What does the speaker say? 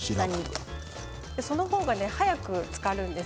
その方が早くつかるんです。